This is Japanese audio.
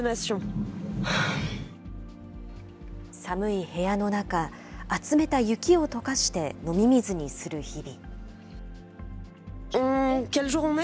寒い部屋の中、集めた雪をとかして飲み水にする日々。